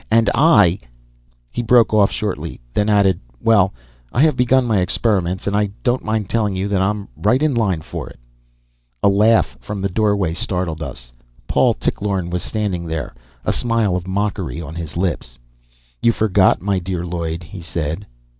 And I—" He broke off shortly, then added, "Well, I have begun my experiments, and I don't mind telling you that I'm right in line for it." A laugh from the doorway startled us. Paul Tichlorne was standing there, a smile of mockery on his lips. "You forget, my dear Lloyd," he said.